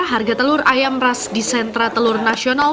harga telur ayam ras di sentra telur nasional